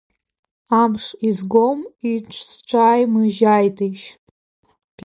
Амш изгом, иҽсҿаимыжьааитеишь…